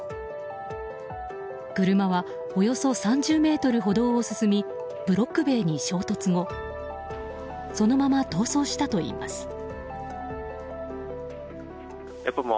車はおよそ３０ｍ歩道を進みブロック塀に衝突後そのまま逃走したといいます。